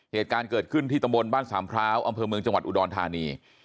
เหตุการณ์เกิดขึ้นที่ตำบลบ้านสามพร้าวอำเภอเมืองจังหวัดอุดรธานี